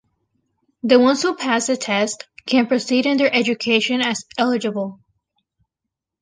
The ones who pass the test, can proceed in their education as eligible.